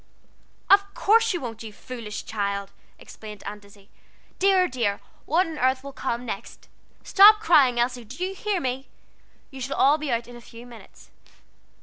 "Of course you won't, you foolish child," exclaimed Aunt Izzie. "Dear, dear, what on earth will come next? Stop crying, Elsie do you hear me? You shall all be got out in a few minutes."